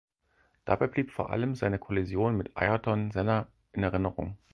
Dabei blieb vor allem seine Kollision mit Ayrton Senna in Erinnerung.